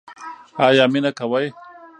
ایا مینه کوئ؟